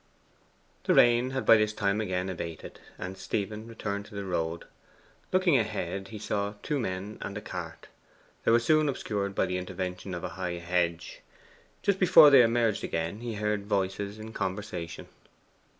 The rain had by this time again abated, and Stephen returned to the road. Looking ahead, he saw two men and a cart. They were soon obscured by the intervention of a high hedge. Just before they emerged again he heard voices in conversation.